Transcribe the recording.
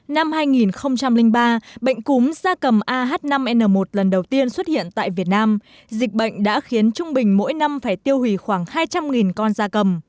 năm hai nghìn ba bệnh cúm da cầm ah năm n một lần đầu tiên xuất hiện tại việt nam dịch bệnh đã khiến trung bình mỗi năm phải tiêu hủy khoảng hai trăm linh con da cầm